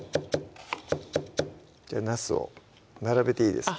なすを並べていいですか？